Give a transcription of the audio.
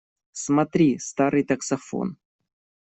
Смотри, старый таксофон!